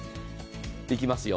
いきますよ。